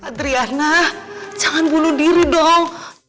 adriana jangan bunuh diri dong